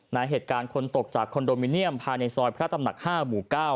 ในเหตุการณ์คนตกจากคอนโดมิเนียมภายในซอยพระตำหนัก๕หมู่๙